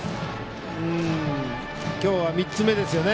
今日は３つ目ですよね